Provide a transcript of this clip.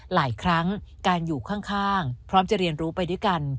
หลายครั้งการอยู่ข้างพร้อมจะเรียนรู้ไปด้วยกัน